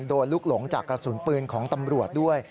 โดนลูกหลงจากกระสุนปืนของตำรวจด้วย